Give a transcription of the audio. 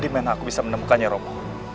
dimana aku bisa menemukannya romo